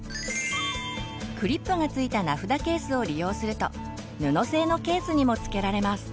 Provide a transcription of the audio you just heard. クリップがついた名札ケースを利用すると布製のケースにもつけられます。